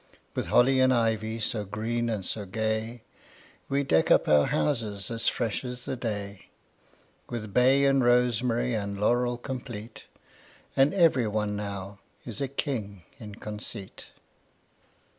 With holly and ivy So green and so gay, We deck up our houses As fresh as the day; With bay and rosemary And laurel complete; And every one now Is a king in conceit.